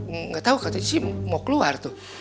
enggak tau katanya sih mau keluar tuh